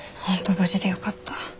無事でよかった。